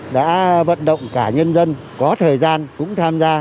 đã vận động cả nhân dân có thời gian cũng tham gia